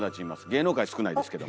芸能界少ないですけど。